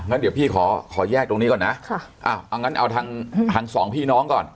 งั้นเดี๋ยวพี่ขอขอแยกตรงนี้ก่อนนะเอางั้นเอาทางทางสองพี่น้องก่อน